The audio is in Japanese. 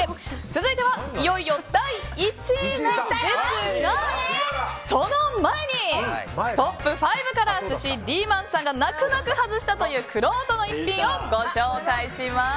続いてはいよいよ第１位なんですがその前に、トップ５から寿司リーマンさんが泣く泣く外したというくろうとの逸品をご紹介します。